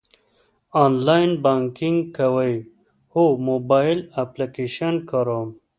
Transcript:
آنلاین بانکینګ کوئ؟ هو، موبایل اپلیکیشن کاروم